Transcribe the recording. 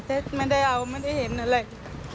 ไม่ได้เอาไม่ได้เห็นอะไร